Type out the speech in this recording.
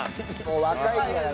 若いんだから。